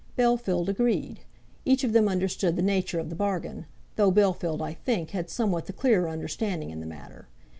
Bellfield agreed, Each of them understood the nature of the bargain; though Bellfield, I think, had somewhat the clearer understanding in the matter.